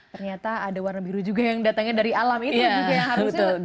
ternyata ada warna biru juga yang datangnya dari alam itu juga yang harusnya